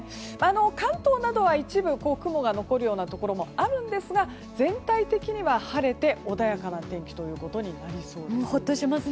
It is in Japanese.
関東などは一部、雲が残るようなところもあるんですが全体的には晴れて穏やかな天気ということになりそうです。